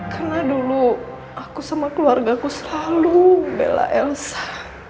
karena dulu aku sama keluarga aku selalu bela elsa